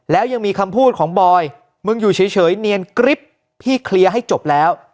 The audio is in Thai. แล้วยังมีคำพูดของบอยมึงอยู่เฉยเนียนกริ๊บพี่เคลียร์ให้จบแล้ว